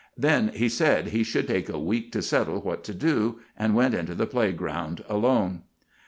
Then he said he should take a week to settle what to do, and went into the playground alone.